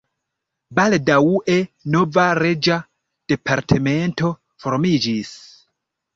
Baldaŭe nova reĝa departemento formiĝis.